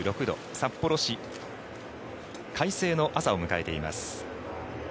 札幌市快晴の朝を迎えています。